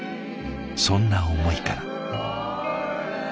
そんな思いから。